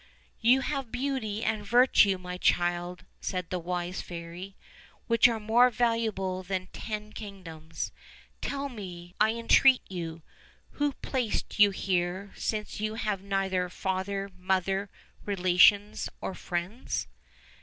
"You have beauty and virtue, my child, "said the wise fairy, "which are more valuable than ten kingdoms: tell me, I entreat you, who placed you here, since you have neither father, mother, relations, nor friends."